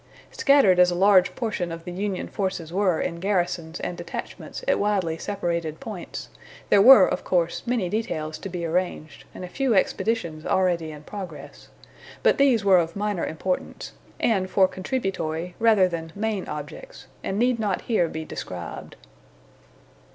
Scattered as a large portion of the Union forces were in garrisons and detachments at widely separated points, there were, of course, many details to be arranged, and a few expeditions already in progress; but these were of minor importance, and for contributory, rather than main objects, and need not here be described.